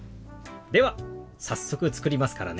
では早速作りますからね。